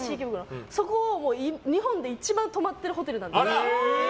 そこ日本で一番泊まってるホテルなんです。